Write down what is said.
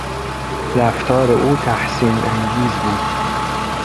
رفتار او تحسین انگیز بود.